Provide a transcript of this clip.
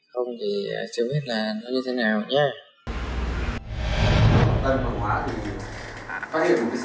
không thì chưa biết là nó như thế nào nha